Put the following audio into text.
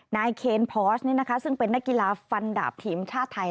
นายเคนพอร์สนี่นะคะซึ่งเป็นนักกีฬาฟันดาบทีมชาติไทย